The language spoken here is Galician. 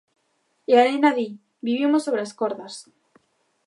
E a nena di: "Vivimos sobre as cordas".